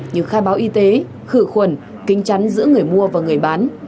như khai báo y tế khử khuẩn kính chắn giữa người mua và người bán